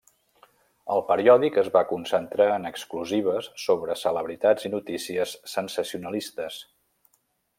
El periòdic es va concentrar en exclusives sobre celebritats i notícies sensacionalistes.